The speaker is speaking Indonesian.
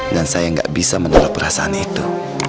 dan saya nggak bisa menolak perasaan itu